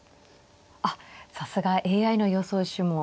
あっさすがＡＩの予想手も。